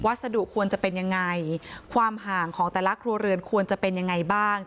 สดุควรจะเป็นยังไงความห่างของแต่ละครัวเรือนควรจะเป็นยังไงบ้าง